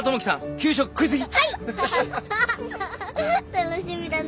楽しみだな。